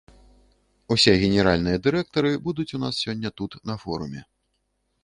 Усе генеральныя дырэктары будуць у нас сёння тут на форуме.